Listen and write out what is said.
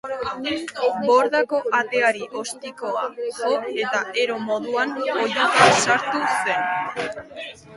Bordako ateari ostikoa jo eta ero moduan oihuka sartu zen.